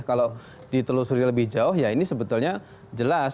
kalau ditelusuri lebih jauh ya ini sebetulnya jelas